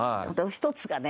１つがね